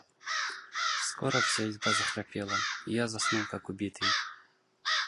Скоро вся изба захрапела, и я заснул как убитый.